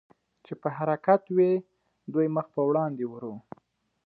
چې په حرکت وې، دوی مخ په وړاندې ورو.